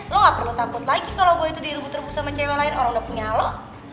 lo gak perlu takut lagi kalau boy tuh dirubu terbu sama cewek lain orang udah punya lo